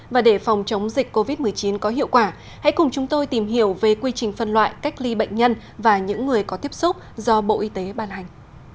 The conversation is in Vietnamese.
và để phòng chống dịch covid một mươi chín có hiệu quả hãy cùng chúng tôi tìm hiểu về quy trình phân loại cách ly bệnh nhân và những người có tiếp xúc do bộ y tế ban hành